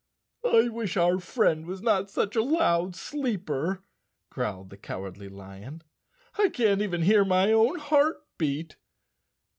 'I wish our friend was not such a loud sleeper," growled the Cowardly Lion. "I can't even hear my own heart beat.